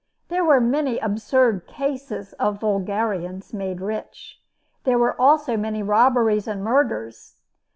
There were many absurd cases of vulgarians made rich. There were also many robberies and murders.